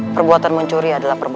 perbuatan mencuri adalah